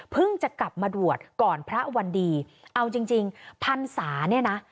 จะกลับมาบวชก่อนพระวันดีเอาจริงจริงพันศาเนี่ยนะ